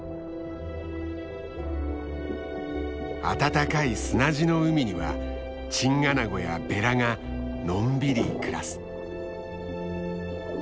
温かい砂地の海にはチンアナゴやベラがのんびり暮らす。